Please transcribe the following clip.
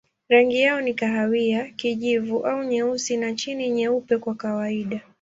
Rangi yao ni kahawia, kijivu au nyeusi na chini nyeupe kwa kawaida.